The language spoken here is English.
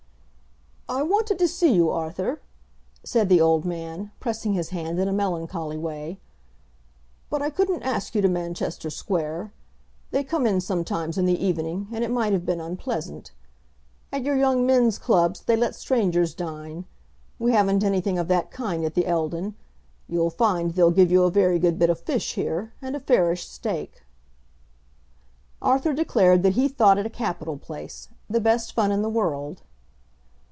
"I wanted to see you, Arthur," said the old man, pressing his hand in a melancholy way, "but I couldn't ask you to Manchester Square. They come in sometimes in the evening, and it might have been unpleasant. At your young men's clubs they let strangers dine. We haven't anything of that kind at the Eldon. You'll find they'll give you a very good bit of fish here, and a fairish steak." Arthur declared that he thought it a capital place, the best fun in the world.